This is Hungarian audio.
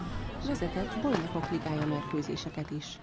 Vezetett Bajnokok Ligája-mérkőzéseket is.